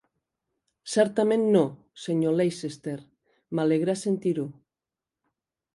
"Certament no, senyor Leicester", "m'alegra sentir-ho."